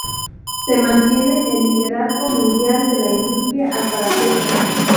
Se mantiene el liderazgo mundial de la industria hasta la fecha.